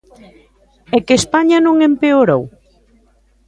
¿É que España non empeorou?